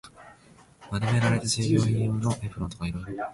丸められた従業員用のエプロンとか色々